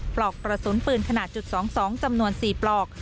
ปลอกกระสุนปืนขนาดจุด๒๒จำนวน๔ปลอก